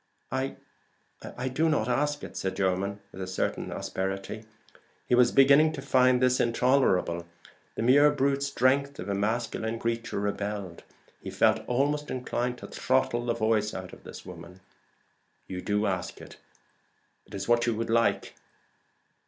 "I do not ask it," said Jermyn, with a certain asperity. He was beginning to find this intolerable. The mere brute strength of a masculine creature rebelled. He felt almost inclined to throttle the voice out of this woman. "You do ask it: it is what you would like.